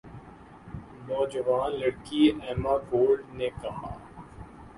نوجوان لڑکی Emma Gold نے کہا